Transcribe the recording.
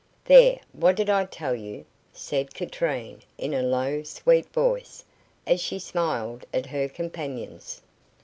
"There, what did I tell you?" said Katrine, in a low, sweet voice, as she smiled at her companions.